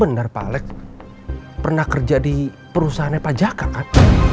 benar pak alex pernah kerja di perusahaannya pajakan kan